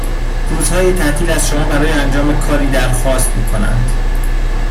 روز های تعطیل از شما برای انجام کاری در خواست میکنند